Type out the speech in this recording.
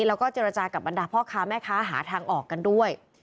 แล้วก็เจรจากับบรรดาพ่อค้าแม่ค้าหาทางออกกันด้วย